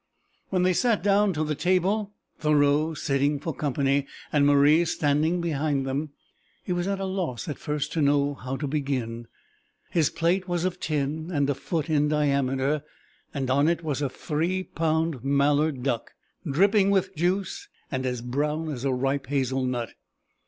When they sat down to the table Thoreau sitting for company, and Marie standing behind them he was at a loss at first to know how to begin. His plate was of tin and a foot in diameter, and on it was a three pound mallard duck, dripping with juice and as brown as a ripe hazel nut.